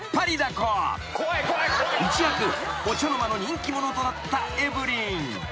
［一躍お茶の間の人気者となったエブリン］